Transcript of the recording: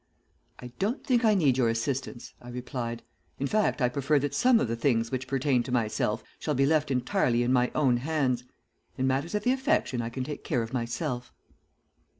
"'I don't think I need your assistance,' I replied. 'In fact I prefer that some of the things which pertain to myself shall be left entirely in my own hands. In matters of the affections I can take care of myself.'